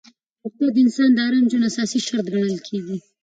روغتیا د انسان د ارام ژوند اساسي شرط ګڼل کېږي.